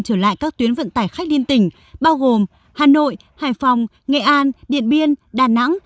trở lại các tuyến vận tải khách liên tỉnh bao gồm hà nội hải phòng nghệ an điện biên đà nẵng